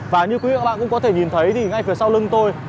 và như quý vị các bạn cũng có thể nhìn thấy thì ngay phía sau lưng tôi